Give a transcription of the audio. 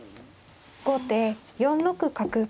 後手４六角。